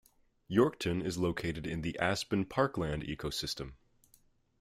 Yorkton is located in the aspen parkland ecosystem.